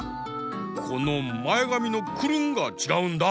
このまえがみのクルンがちがうんだ！